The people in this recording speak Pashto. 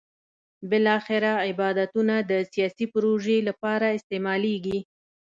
بالاخره عبادتونه د سیاسي پروژې لپاره استعمالېږي.